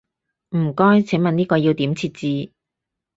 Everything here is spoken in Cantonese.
唔該，請問呢個要點設置？